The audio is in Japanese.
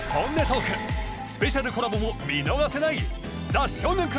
スペシャルコラボも見逃せない！